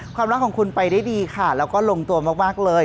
รักของคุณไปได้ดีค่ะแล้วก็ลงตัวมากเลย